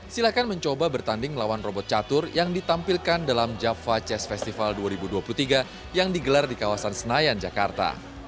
silahkan mencoba bertanding melawan robot catur yang ditampilkan dalam java jazz festival dua ribu dua puluh tiga yang digelar di kawasan senayan jakarta